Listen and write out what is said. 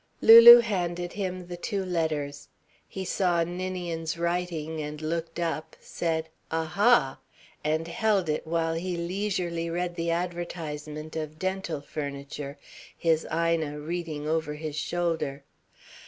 Lulu handed him the two letters. He saw Ninian's writing and looked up, said "A ha!" and held it while he leisurely read the advertisement of dental furniture, his Ina reading over his shoulder.